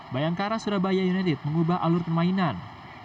bayangkara surabaya united mengubah alur permainan